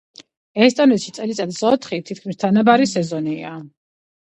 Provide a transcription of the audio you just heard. ესტონეთში წელიწადის ოთხი თითქმის თანაბარი სეზონია.